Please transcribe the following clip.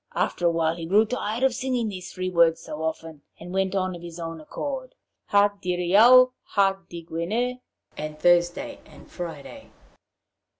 After a while he grew tired of singing these three words so often, and went on of his own accord: 'Ha Diriaou, ha Digwener,' (And Thursday and Friday!)